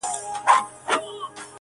لکه ګُل د کابل حورو به څارلم!!